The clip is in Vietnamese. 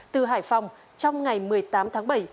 từ hải phòng trong ngày một mươi tám tháng bảy